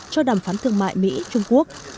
cho đàm phán thương mại mỹ trung quốc